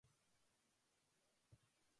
長野県安曇野市